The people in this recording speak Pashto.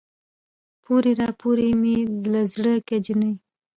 پورې راپورې مې له زړه که جينۍ